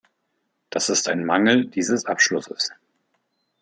Das ist ein Mangel dieses Abschlusses.